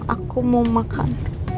aku mau makan